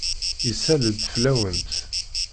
Isal-d fell-awent.